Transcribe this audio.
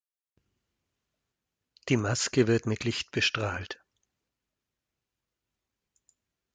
Die Maske wird mit Licht bestrahlt.